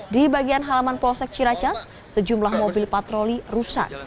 di bagian halaman polsek ciracas sejumlah mobil patroli rusak